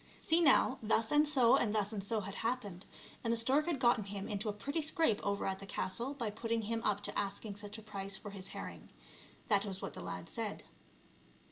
See now, thus and so and thus and so had happened, and the stork had gotten him into a pretty scrape over at the castle by putting him up to asking such a price for his herring ; that was what the lad said.